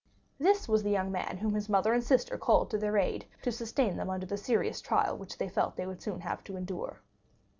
This was the young man whom his mother and sister called to their aid to sustain them under the serious trial which they felt they would soon have to endure.